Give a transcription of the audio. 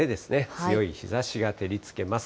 強い日ざしが照りつけます。